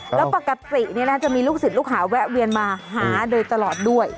แล้วปกติจะมีลูกศิษย์ลูกหาแวะเวียนมาหาโดยตลอดด้วย